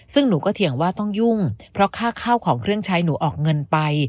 ซึ่งหนูก็เถียงว่าต้องยุ่งเพราะค่าข้าวของเครื่องใช้หนูออกเงินไป